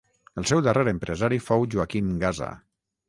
El seu darrer empresari fou Joaquim Gasa.